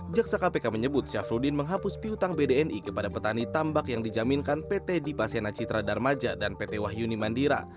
jaksa kpk menyebut syafruddin menghapus piutang bdni kepada petani tambak yang dijaminkan pt dipasena citra darmaja dan pt wahyuni mandira